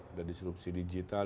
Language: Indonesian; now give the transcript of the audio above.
ada disrupsi digital